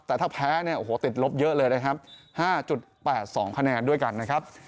แต่ถ้าแพ้เนี่ยโอ้โหติดลบเยอะเลยนะครับ๕๘๒คะแนนด้วยกันนะครับ